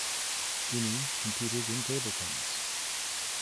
Guinea competed in table tennis.